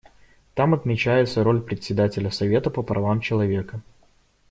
Там отмечается роль Председателя Совета по правам человека.